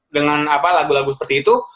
dengan lagu lagu seperti itu